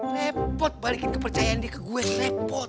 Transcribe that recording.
repot balikin kepercayaan dia ke gue repot